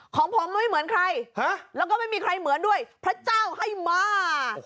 ของผมไม่เหมือนใครแล้วก็ไม่มีใครเหมือนด้วยพระเจ้าให้มา